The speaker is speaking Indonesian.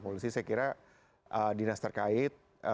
polisi saya kira dinas terkait